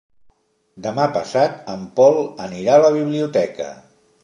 Demà passat en Pol anirà a la biblioteca.